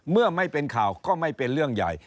เมื่อไม่เป็นข่าวก็ไม่เป็นเรื่องใหญ่